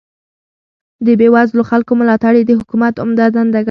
د بې وزلو خلکو ملاتړ يې د حکومت عمده دنده ګڼله.